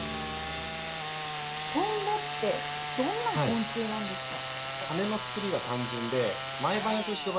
トンボってどんな昆虫なんですか。